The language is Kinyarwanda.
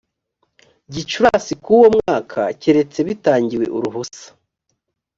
gicurasi k uwo mwaka keretse bitangiwe uruhusa